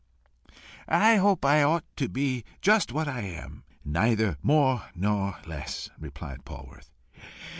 "I hope I ought to be just what I am, neither more nor less," replied Polwarth.